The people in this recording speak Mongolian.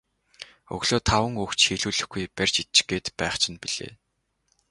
Өглөө таван үг ч хэлүүлэхгүй барьж идчих гээд байх чинь билээ.